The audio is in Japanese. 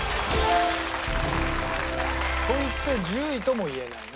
といって１０位とも言えないな。